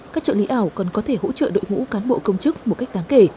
các trợ lý ảo còn có thể hỗ trợ đội ngũ cán bộ công chức một cách đáng kể